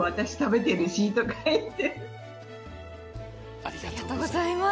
ありがとうございます。